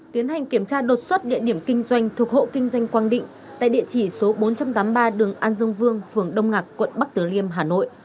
tiến hành kiểm tra đột xuất địa điểm kinh doanh thuộc hộ kinh doanh quang định tại địa chỉ số bốn trăm tám mươi ba đường an dương vương phường đông ngạc quận bắc tử liêm hà nội